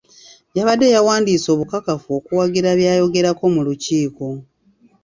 Yabadde yawandiise obukakafu okuwagira by'ayogerako mu lukiiko.